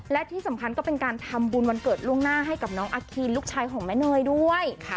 และที่สำคัญก็เป็นการทำบุญวันเกิดล่วงหน้าให้กับน้องอาคีนลูกชายของแม่เนยด้วย